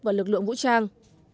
và lực lượng vũ trang